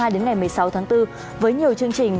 đến ngày một mươi sáu tháng bốn với nhiều chương trình